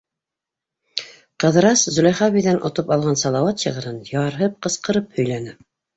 Ҡыҙырас Зөләйха әбейҙән отоп алған Салауат шиғырын ярһып, ҡысҡырып һөйләне: